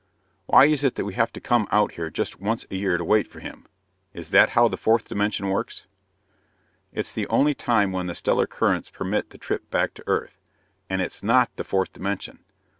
"Why is it that we have to come out here just once a year to wait for him? Is that how the fourth dimension works?" "It's the only time when the stellar currents permit the trip back to Earth. And it's not the fourth dimension!